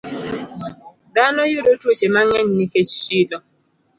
Dhano yudo tuoche mang'eny nikech chilo.